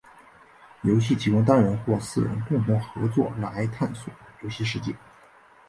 游戏提供单人或四人共同合作来探索游戏世界。